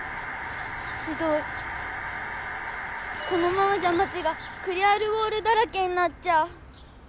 このままじゃまちがクリアルウォールだらけになっちゃう。